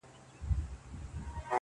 o كله، كله يې ديدن تــه لـيونـى سم.